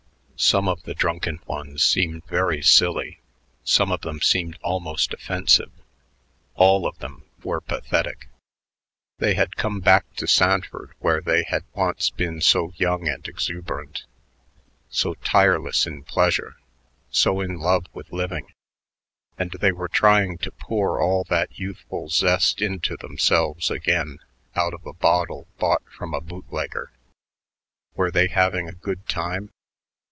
Some of the drunken ones seemed very silly, some of them seemed almost offensive; all of them were pathetic. They had come back to Sanford where they had once been so young and exuberant, so tireless in pleasure, so in love with living; and they were trying to pour all that youthful zest into themselves again out of a bottle bought from a bootlegger. Were they having a good time?